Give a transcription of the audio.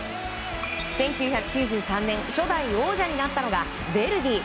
１９９３年初代王者になったのがヴェルディ。